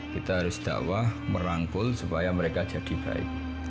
kita harus dakwah merangkul supaya mereka jadi baik